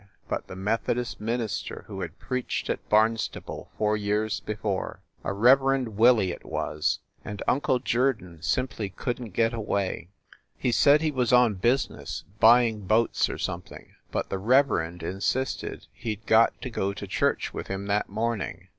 but the Methodist minister who had preached at Barnstable four years before. A Reverend Wil ley, it was. And Uncle Jerdon simply couldn t get away. He said he was on business, buying boats or something, but the Reverend insisted he d got to go to church with him that morning.